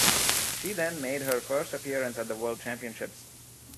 She then made her first appearance at the World Championships.